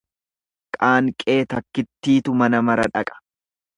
Qaanqee takkittitu mana mara dhaqa.